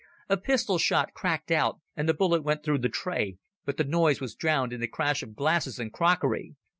A pistol shot cracked out, and the bullet went through the tray, but the noise was drowned in the crash of glasses and crockery.